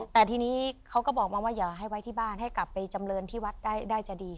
แต่ทีนี้เขาก็บอกมาว่าอย่าให้ไว้ที่บ้านให้กลับไปจำเรินที่วัดได้จะดี